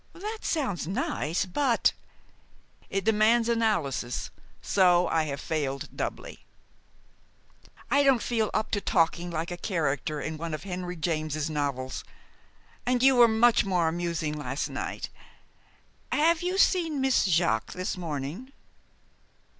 "That sounds nice, but " "It demands analysis, so I have failed doubly." "I don't feel up to talking like a character in one of Henry James's novels. And you were much more amusing last night. Have you seen Miss Jaques this morning?"